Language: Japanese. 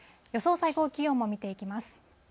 最高気温も見ていきます。